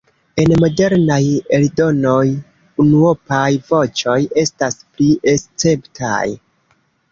En modernaj eldonoj unuopaj voĉoj estas pli esceptaj.